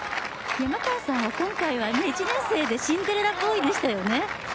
山川さんは今回、１年生でシンデレラボーイでしたよね。